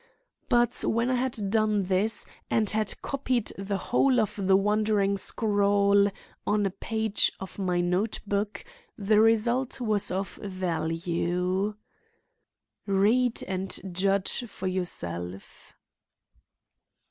But when I had done this, and had copied the whole of the wandering scrawl on a page of my note book the result was of value. Read, and judge for yourself.